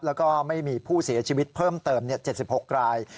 แล้วก็ไม่มีผู้เสียชีวิตเพิ่มเติม๗๖ราย